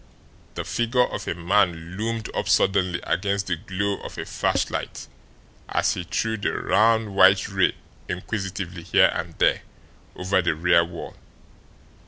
The figure of a man loomed up suddenly against the glow of a flashlight as he threw the round, white ray inquisitively here and there over the rear wall.